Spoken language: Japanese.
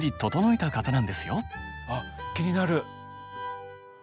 あっ気になる！